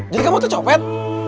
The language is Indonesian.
jadi kamu tuh nyopet